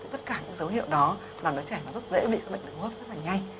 tất cả những dấu hiệu đó làm đứa trẻ nó rất dễ bị bệnh đường hốp rất là nhanh